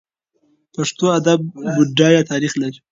پښتو ادب بډایه تاریخ لري.